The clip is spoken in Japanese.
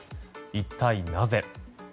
一体なぜ。